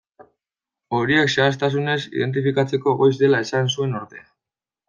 Horiek zehaztasunez identifikatzeko goiz dela esan zuen ordea.